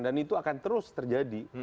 dan itu akan terus terjadi